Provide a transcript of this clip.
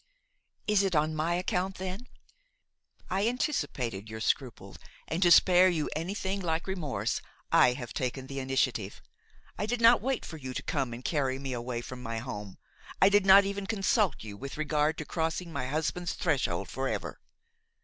"Is it on my account then? I anticipated your scruples and to spare you anything like remorse I have taken the initiative; I did not wait for you to come and carry me away from my home, I did not even consult you with regard to crossing my husband's threshold forever.